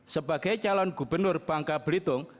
sebagai calon gubernur bangka belitung